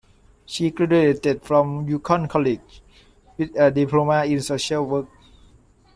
She graduated from Yukon College with a diploma in Social Work.